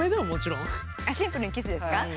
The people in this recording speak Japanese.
シンプルにキスですか？